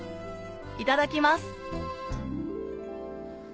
いただきます